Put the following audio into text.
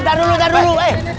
eh tar dulu tar dulu